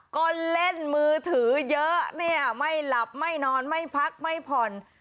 ก็เล่นมือถือเยอะเนี่ยไม่หลับไม่นอนไม่พักไม่ผ่อน